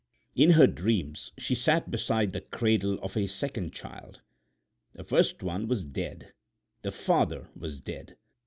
In her dreams she sat beside the cradle of a second child. The first one was dead. The father was dead.